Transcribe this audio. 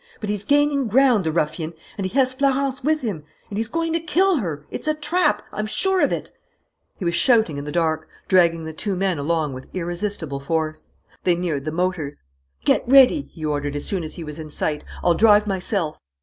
... But he's gaining ground, the ruffian and he has Florence with him and he's going to kill her! It's a trap! ... I'm sure of it " He was shouting in the dark, dragging the two men along with irresistible force. They neared the motors. "Get ready!" he ordered as soon as he was in sight. "I'll drive myself."